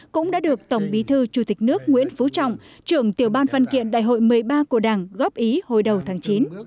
cũng đã được tổng bí thư chủ tịch nước nguyễn phú trọng trưởng tiểu ban văn kiện đại hội một mươi ba của đảng góp ý hồi đầu tháng chín